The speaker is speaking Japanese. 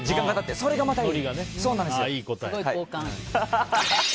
それがまたいい。